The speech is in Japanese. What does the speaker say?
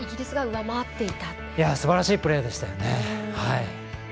すばらしいプレーでしたね。